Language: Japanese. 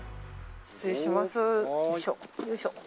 失礼します。